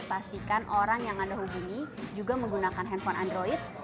pastikan orang yang anda hubungi juga menggunakan handphone android